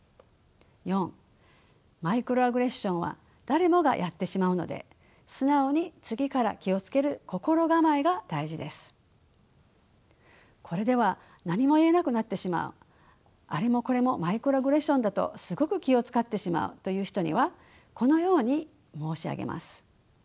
マイクロアグレッションは誰もがやってしまうのでこれでは何も言えなくなってしまうあれもこれもマイクロアグレッションだとすごく気を遣ってしまうという人にはこのように申し上げます。